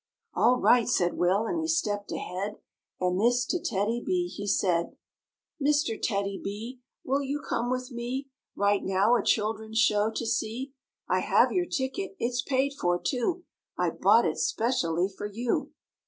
"All right!" said Will, and he stepped ahead And this to TEDDY B he said: " Mr. TEDDY B, will you come with me Right now a children's show to see ? I have your ticket; it's paid for too; I bought it specially for you."